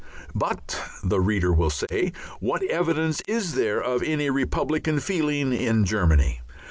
But, the reader will say, what evidence is there of any republican feeling in Germany?